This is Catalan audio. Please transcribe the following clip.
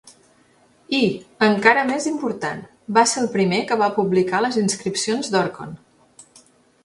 I, encara més important, va ser el primer que va publicar les inscripcions d'Orkhon.